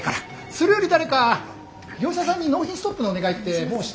それより誰か業者さんに納品ストップのお願いってもうしてる？